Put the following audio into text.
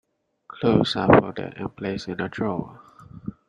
Clothes are folded and placed in a drawer.